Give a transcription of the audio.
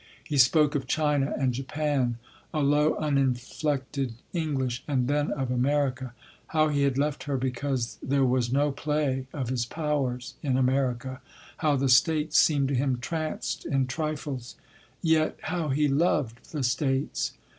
He spoke of China and Japan, a low uninflected English, and then of America—how he had left her because there was no play of his powers in America—how the States seemed to him tranced in trifles—yet how he loved the States.